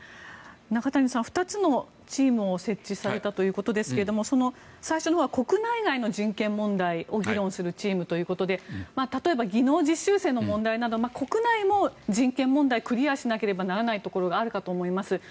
中谷さん、２つのチームを設置されたということですが最初のほうは国内外の人権問題を議論するチームということで例えば技能実習生の問題など国内も人権問題クリアしなければならないことがあるかと思います。